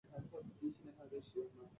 为晚会设计了新的装饰和舞台。